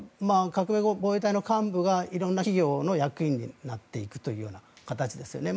革命防衛隊の幹部が色んな企業の役員になっていくという形ですよね。